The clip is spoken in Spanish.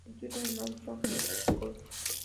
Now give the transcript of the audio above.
El estudio en Horizon High School.